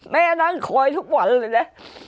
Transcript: นั่งคอยทุกวันเลยนะ